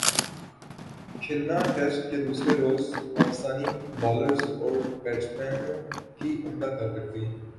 کھلنا test کے دوسرے روز پاکستانی بالرزاور بیٹسمینوں کی عمدہ کارکردگی